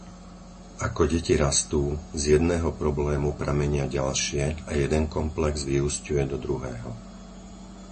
Ako deti rastú, z jedného problému pramenia ďalšie a jeden komplex vyúsťuje do druhého.